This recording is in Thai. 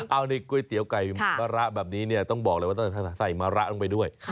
เอาในก๋วยเตี๋ยวไก่มะระแบบนี้เนี่ยต้องบอกเลยว่าใส่มะระลงไปด้วย